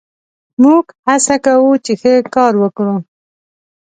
موږ هڅه کوو، چې ښه کار وکړو.